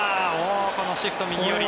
このシフト、右寄り。